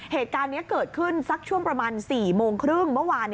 เหตุการณ์นี้เกิดขึ้นสักช่วงประมาณ๔โมงครึ่งเมื่อวาน